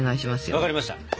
分かりました。